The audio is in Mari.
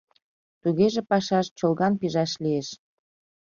— Тугеже пашаш чолган пижаш лиеш.